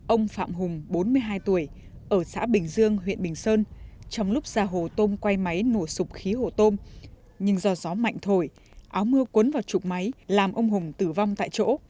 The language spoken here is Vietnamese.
ông phạm hùng bốn mươi hai tuổi ở xã bình dương huyện bình sơn trong lúc ra hồ tôm quay máy nổ sụp khí hồ tôm nhưng do gió mạnh thổi áo mưa cuốn vào trụ máy làm ông hùng tử vong tại chỗ